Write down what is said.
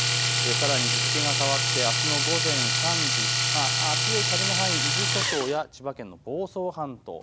さらに日付が変わってあすの午前３時、強い風の範囲、伊豆諸島や千葉県房総半島。